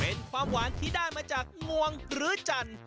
เป็นความหวานที่ได้มาจากงวงหรือจันทร์